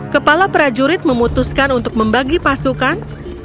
kepala prajurit memutuskan untuk membagi pasukan